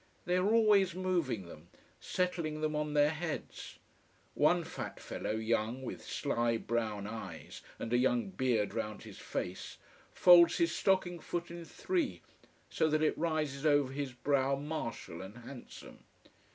They are always moving them, settling them on their heads. One fat fellow, young, with sly brown eyes and a young beard round his face folds his stocking foot in three, so that it rises over his brow martial and handsome.